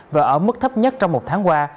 và ở mức thấp nhất trong một tháng qua